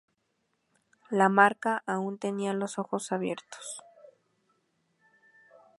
Lamarca aún tenía los ojos abiertos.